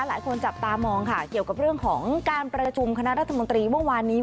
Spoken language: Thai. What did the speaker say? หลายคนจับตามองค่ะเกี่ยวกับเรื่องของการประชุมคณะรัฐมนตรีเมื่อวานนี้